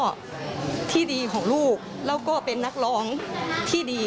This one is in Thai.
และก็มีการกินยาละลายริ่มเลือดแล้วก็ยาละลายขายมันมาเลยตลอดครับ